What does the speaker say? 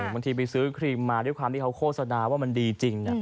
บางทีไปซื้อครีมมาด้วยความที่เขาโฆษณาว่ามันดีจริง